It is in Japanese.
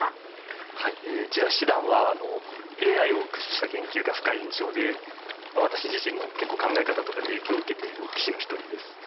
え千田七段はあのＡＩを駆使した研究が深い印象で私自身も結構考え方とかで影響を受けている棋士の一人です。